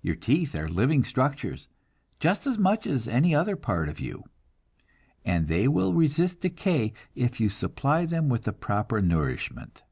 Your teeth are living structures, just as much as any other part of you, and they will resist decay if you supply them with the proper nourishment.